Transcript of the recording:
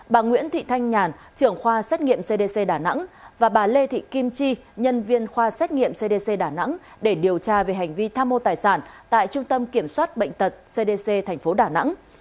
bà nguyễn thị thanh nhàn trưởng khoa xét nghiệm cdc đà nẵng và bà lê thị kim chi nhân viên khoa xét nghiệm cdc đà nẵng để điều tra về hành vi tham mô tài sản tại trung tâm kiểm soát bệnh tật cdc tp đà nẵng